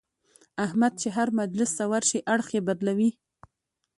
احمد چې هر مجلس ته ورشي اړخ یې بدلوي.